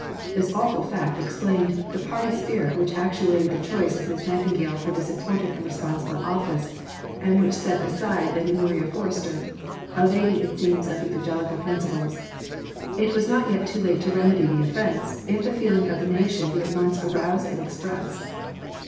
This awful fact explained "the party spirit which actuated the choice of Miss Nightingale for this important and responsible office, and which set aside Lady Maria Forester" a lady, it seems, of Evangelical principles. It was not yet too late to remedy the offence "if the feeling of the nation be at once aroused and expressed."